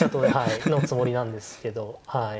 のつもりなんですけど。